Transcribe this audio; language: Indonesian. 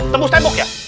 tembus tempok ya